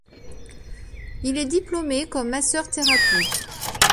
Il est diplômé comme masseur-thérapeute.